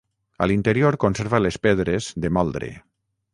A l'interior conserva les pedres de moldre.